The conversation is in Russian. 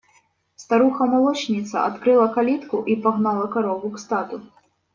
Старуха молочница открыла калитку и погнала корову к стаду.